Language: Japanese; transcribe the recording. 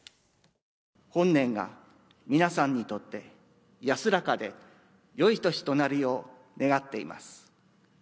本年が、皆さんにとって、安らかで、よい年となるよう願っています。